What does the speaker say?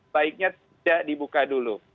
baiknya tidak dibuka dulu